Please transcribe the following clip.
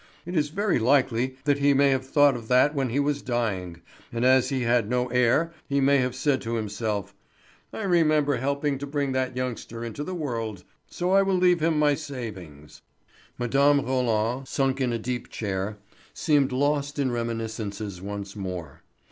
It is very likely that he may have thought of that when he was dying, and as he had no heir he may have said to himself: 'I remember helping to bring that youngster into the world, so I will leave him my savings.'" Mme. Roland, sunk in a deep chair, seemed lost in reminiscences once more.